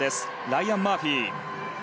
ライアン・マーフィー。